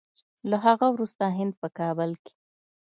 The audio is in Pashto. له هغه وروسته هند په کابل کې